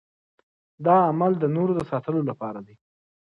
دا عمل د نورو د ساتلو لپاره دی.